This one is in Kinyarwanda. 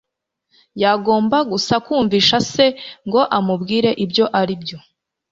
Yagomba gusa kumvisha se ngo amubwire ibyo aribyo.